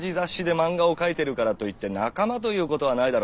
漫画を描いてるからといって仲間ということはないだろ。